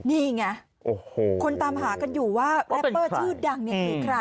นี่ไงคนตามหากันอยู่ว่าแรปเปอร์ชื่อดังเนี่ยคือใคร